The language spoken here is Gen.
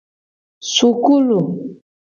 Sukulu.